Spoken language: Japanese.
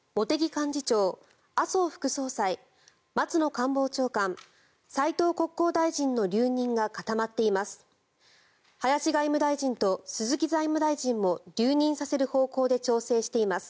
幹事長、麻生副総裁松野官房長官、斉藤国交大臣の留任が固まっています。